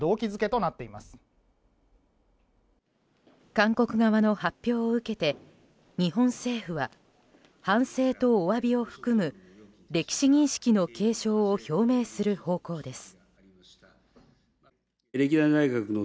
韓国側の発表を受けて日本政府は反省とおわびを含む歴史認識の継承を表明する方向です。